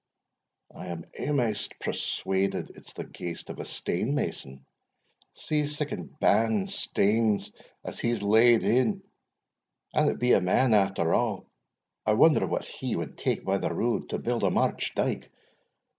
"I am amaist persuaded it's the ghaist of a stane mason see siccan band statnes as he's laid i An it be a man, after a', I wonder what he wad take by the rood to build a march dyke.